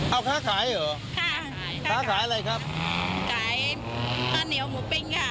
เอ้าข้าวขายเหรอข้าวขายอะไรครับข้าวขายข้าวเหนียวหมูปิ้งค่ะ